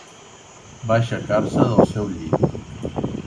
Va aixecar-se del seu llit.